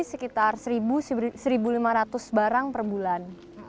sekitar satu lima ratus barang per bulan